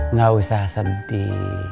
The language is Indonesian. nggak usah sedih